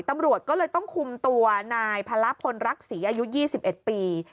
ตำรวจก็เลยต้องคุมตัวนายพระละพลรักษีอายุ๒๑ปี